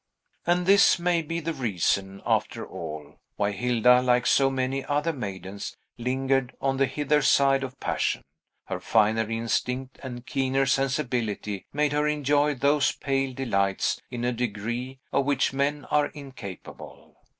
And this may be the reason, after all, why Hilda, like so many other maidens, lingered on the hither side of passion; her finer instinct and keener sensibility made her enjoy those pale delights in a degree of which men are incapable.